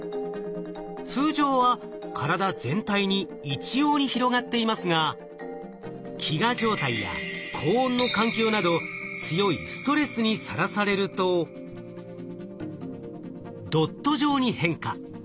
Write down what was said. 通常は体全体に一様に広がっていますが飢餓状態や高温の環境など強いストレスにさらされるとドット状に変化。